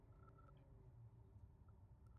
کاناډا د کاغذ تولیدات لري.